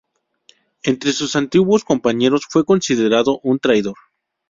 Entre sus antiguos compañeros fue considerado un traidor.